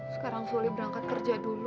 sekarang sulit berangkat kerja dulu